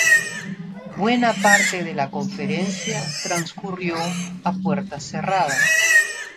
Buena parte de la conferencia transcurrió a puertas cerradas.